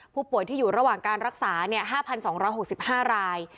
ผู้ป่วยที่อยู่ระหว่างการรักษาเนี่ยห้าพันสองร้อยหกสิบห้าราย